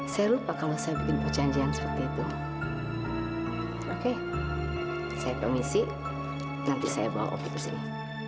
saya lupa kalau saya bikin perjanjian seperti itu oke saya komisi nanti saya bawa opi ke sini